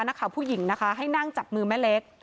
นักข่าวผู้หญิงนะคะให้นั่งจับมือแม่เล็ก